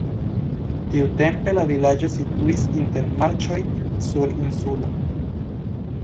Tiutempe la vilaĝo situis inter marĉoj sur insulo.